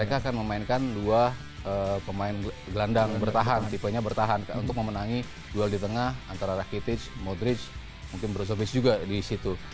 mereka akan memainkan dua pemain gelandang bertahan tipenya bertahan untuk memenangi duel di tengah antara rakitic modridge mungkin brozovis juga di situ